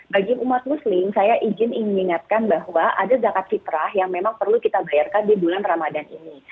bagi umat muslim saya izin ingin mengingatkan bahwa ada zakat fitrah yang memang perlu kita bayarkan di bulan ramadan ini